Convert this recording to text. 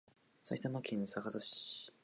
埼玉県坂戸市